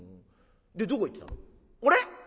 でどこ行ってたの？」。